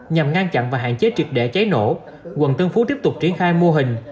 nhằm ngăn chặn và hạn chế trực đệ cháy nổ quận tân phú tiếp tục triển khai mô hình